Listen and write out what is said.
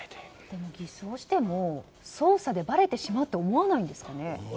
でも偽装しても捜査でばれてしまうって思わないんですかね。